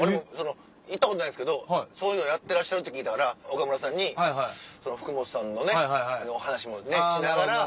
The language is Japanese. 行ったことないんですけどそういうのやってらっしゃるって聞いたから岡村さんに福本さんのね話もしながら。